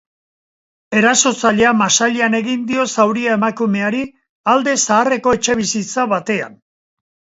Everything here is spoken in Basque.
Erasotzaileak masailean egin dio zauria emakumeari alde zaharreko etxebizitza batean.